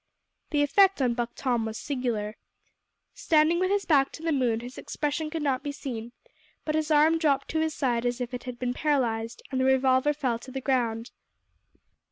The effect on Buck Tom was singular. Standing with his back to the moon, his expression could not be seen, but his arm dropped to his side as if it had been paralysed, and the revolver fell to the ground.